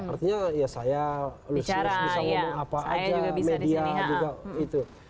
artinya ya saya lucius bisa ngomong apa aja media juga itu